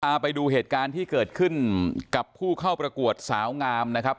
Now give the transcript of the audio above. พาไปดูเหตุการณ์ที่เกิดขึ้นกับผู้เข้าประกวดสาวงามนะครับ